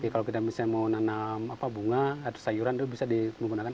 kalau kita misalnya mau nanam bunga atau sayuran itu bisa digunakan